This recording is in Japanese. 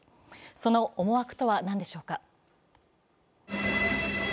その思惑とは何でしょうか。